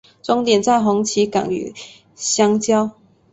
终点在红旗岗与相交。